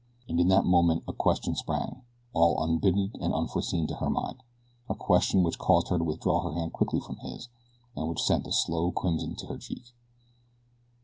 And in that moment a question sprang, all unbidden and unforeseen to her mind; a question which caused her to withdraw her hand quickly from his, and which sent a slow crimson to her cheek.